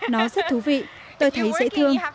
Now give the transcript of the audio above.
nó rất thú vị tôi thấy dễ thương